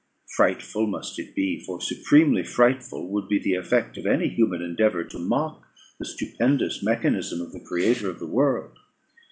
Frightful must it be; for supremely frightful would be the effect of any human endeavour to mock the stupendous mechanism of the Creator of the world.